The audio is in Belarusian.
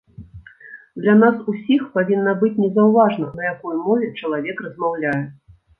Для нас усіх павінна быць незаўважна, на якой мове чалавек размаўляе.